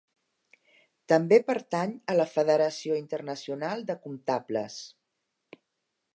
També pertany a la Federació Internacional de Comptables.